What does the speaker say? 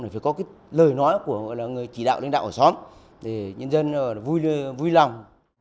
để phải có cái lời nói của người chỉ đạo lãnh đạo ở xóm để nhân dân vui lòng